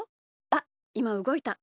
あっいまうごいた。